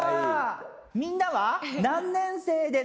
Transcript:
みんなは。